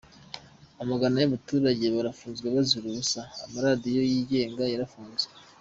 Amagana y’abaturage barafunzwe bazira ubusa, amaradiyo yigenga yarafunzwe.